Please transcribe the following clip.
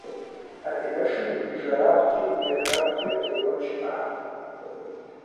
Адыгэшым и жэрагъкӏи и дахагъкӏи къытекӏуэн щымыӏэ!